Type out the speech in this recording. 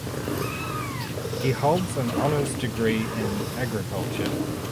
He holds an honours degree in agriculture.